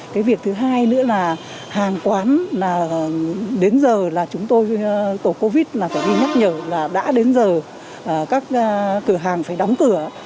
cái việc thứ hai nữa là hàng quán là đến giờ là chúng tôi tổ covid là phải đi nhắc nhở là đã đến giờ các cửa hàng phải đóng cửa